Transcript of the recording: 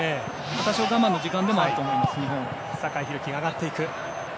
多少我慢の時間でもあると思います、日本。